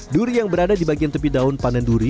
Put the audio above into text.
duri yang berada di bagian tepi daun panen duri